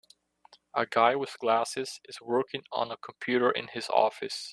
A guy with glasses is working on a computer in his office.